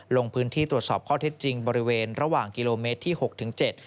ลงพื้นที่ตรวจสอบข้อเท็จจริงบริเวณระหว่างกิโลเมตรที่หกถึงเจ็ด